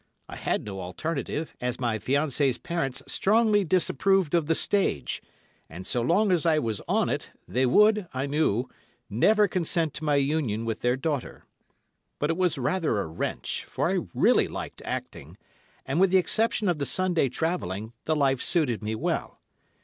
I had no alternative, as my fiancée's parents strongly disapproved of the Stage, and so long as I was on it, they would, I knew, never consent to my union with their daughter. But it was rather a wrench, for I really liked acting, and, with the exception of the Sunday travelling, the life suited me well.